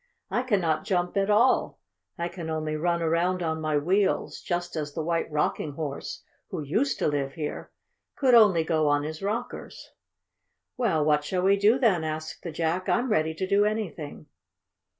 I cannot jump at all. I can only run around on my wheels, just as the White Rocking Horse, who used to live here, could only go on his rockers." "Well, what shall we do then?" asked the Jack. "I'm ready to do anything."